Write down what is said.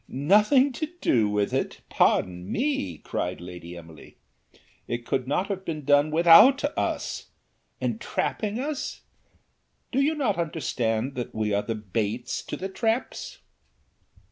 "Nothing to do with it! pardon me," cried Lady Emily. "It could not have been done without us. Entrapping us! do not you understand that we are the baits to the traps?